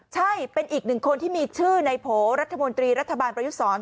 ใช่เป็นอีกหนึ่งคนที่มีชื่อในโผล่รัฐมนตรีรัฐบาลประยุทธศร